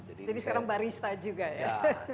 jadi sekarang barista juga ya